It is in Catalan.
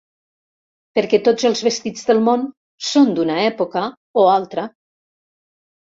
Perquè tots els vestits del món són d'una època o altra.